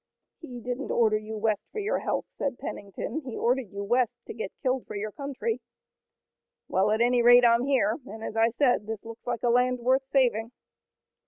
"He didn't order you west for your health," said Pennington. "He ordered you west to get killed for your country." "Well, at any rate, I'm here, and as I said, this looks like a land worth saving."